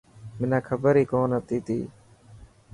منا کبر هي ڪونه هتي ته.